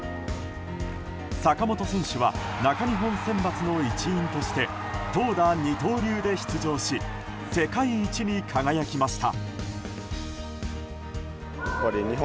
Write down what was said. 坂本選手は中日本選抜の一員として投打二刀流で出場し世界一に輝きました。